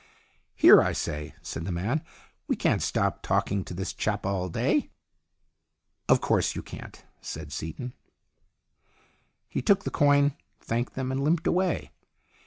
" Here, I say," said the man. " We can't stop talking to this chap all day." " Of course you can't," said Seaton. He took the coin, thanked them, and limped away.